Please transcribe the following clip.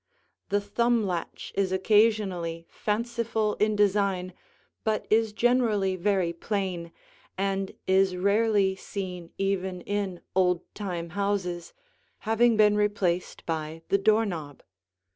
The thumb latch is occasionally fanciful in design but is generally very plain and is rarely seen even in old time houses, having been replaced by the door knob.